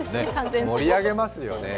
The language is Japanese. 盛り上げますよね。